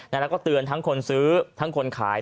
แล้วก็เตือนทั้งคนซื้อทั้งคนขาย